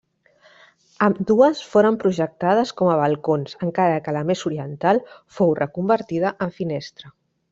Ambdues foren projectades com a balcons encara que la més oriental fou reconvertida en finestra.